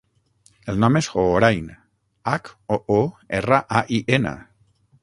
El nom és Hoorain: hac, o, o, erra, a, i, ena.